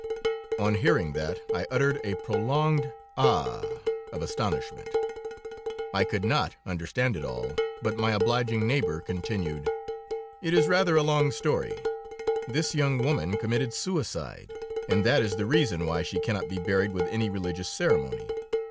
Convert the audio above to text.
On hearing that I uttered a prolonged A h! of astonishment. I could not understand it at all, but my obliging neighbor continued: "It is rather a long story. This young woman committed suicide, and that is the reason why she cannot be buried with any religious ceremony.